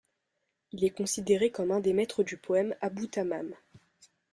Il est considéré comme un des maîtres du poète Abu Tammam.